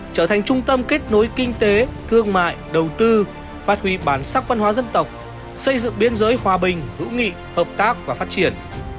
trở thành trung tâm kết nối kinh tế thương mại đầu tư phát huy bản sắc văn hóa dân tộc xây dựng biên giới hòa bình hữu nghị hợp tác và phát triển